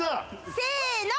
せの！